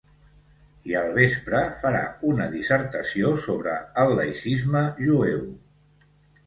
I al vespre farà una dissertació sobre el laïcisme jueu.